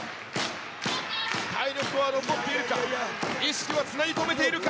体力は残っているか、意識はつなぎとめているか。